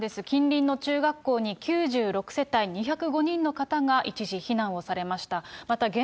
近隣の中学校に９６世帯２０５人の方が一時避難をされました。